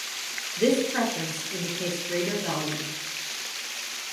This preference indicates greater value.